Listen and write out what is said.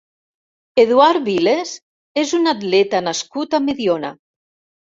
Eduard Viles és un atleta nascut a Mediona.